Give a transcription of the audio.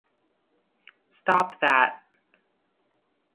Stop that